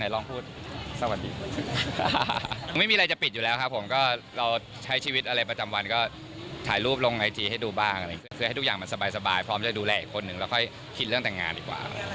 แล้วค่อยคิดเรื่องแต่งงานดีกว่า